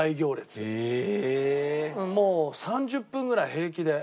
もう３０分ぐらい平気で。